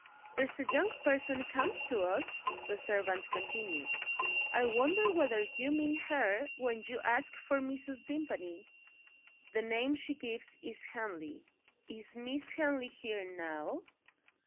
"There's a young person comes to us," the servant continued. "I wonder whether you mean her, when you ask for Mrs. Vimpany? The name she gives is Henley." "Is Miss Henley here, now?"